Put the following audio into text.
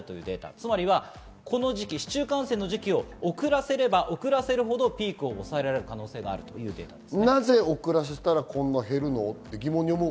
つまりこの時期、市中感染の時期を遅らせれば遅らせるほどピークを抑えられる可能性があるということです。